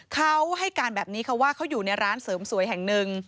เขาให้การแบบนี้ค่ะว่าเขาอยู่ในร้านเสริมสวยแห่งหนึ่ง